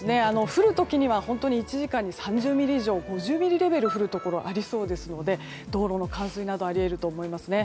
降る時には本当に１時間に３０ミリ以上５０ミリレベル降るところがありそうですので道路の冠水などもあり得ると思います。